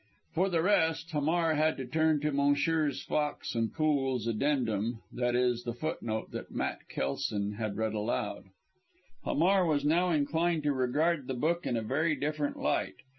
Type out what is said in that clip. For the rest, Hamar had to turn to Messrs. Fox and Pool's addendum, i.e. the footnote that Matt Kelson had read aloud. Hamar was now inclined to regard the book in a very different light.